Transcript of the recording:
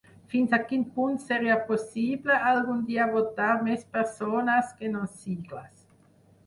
Fins a quin punt seria possible algun dia votar més persones que no sigles.